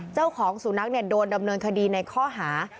เจ้าของสุนัขโดนดำเนินคดีในข้อหา